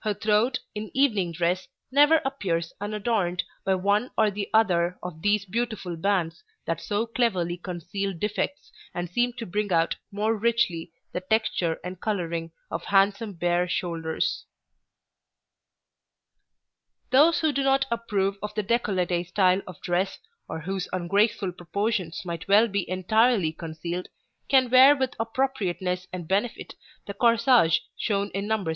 Her throat, in evening dress, never appears unadorned by one or the other of these beautiful bands that so cleverly conceal defects and seem to bring out more richly the texture and coloring of handsome bare shoulders. [Illustration: NO. 63] [Illustration: NO. 64] Those who do not approve of the décolleté style of dress, or whose ungraceful proportions might well be entirely concealed, can wear with appropriateness and benefit the corsage shown in No. 64.